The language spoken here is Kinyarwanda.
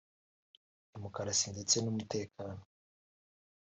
demokarasi ndetse n’umutekano